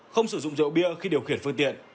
không sử dụng rượu bia khi điều khiển phương tiện